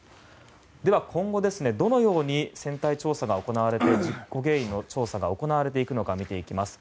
では、今後どのように船体調査が行われて事故原因の調査が行われていくの見ていきます。